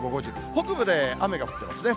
北部で雨が降ってますね。